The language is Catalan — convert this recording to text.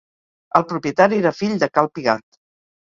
El propietari era fill del Cal Pigat.